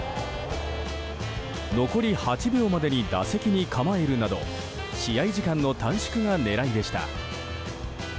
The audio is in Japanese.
残り８秒までに打席に構えるなど試合時間の短縮が狙いでした。